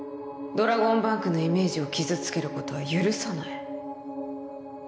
ドラゴンバンクのイメージを傷つけることは許さない